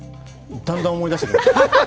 だんだん思い出してきました。